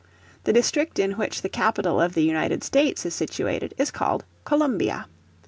The district in which the capital of the United States is situated is called Columbia.